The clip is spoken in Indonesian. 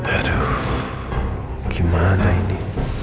aduh gimana ini